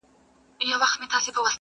د نیمي شپې آذان ته به زوی مړی ملا راسي-